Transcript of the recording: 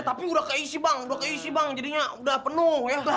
tapi udah keisi bang udah keisi bang jadinya udah penuh ya